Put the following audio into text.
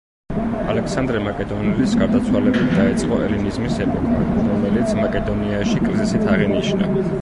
ალექსანდრე მაკედონელის გარდაცვალებით დაიწყო ელინიზმის ეპოქა, რომელიც მაკედონიაში კრიზისით აღინიშნა.